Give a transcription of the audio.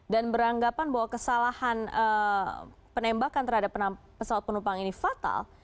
dan beranggapan bahwa kesalahan penembakan terhadap pesawat penumpang ini fatal